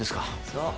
そう。